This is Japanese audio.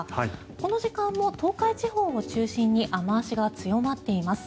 この時間も東海地方を中心に雨脚が強まっています。